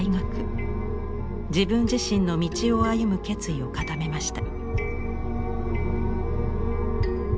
自分自身の道を歩む決意を固めました。